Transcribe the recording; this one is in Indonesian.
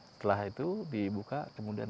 setelah itu dibuka kemudian